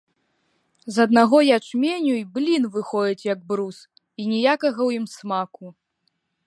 З аднаго ячменю й блін выходзіць як брус, і ніякага ў ім смаку.